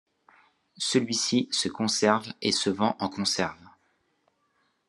Celui-ci se conserve et se vend en conserve.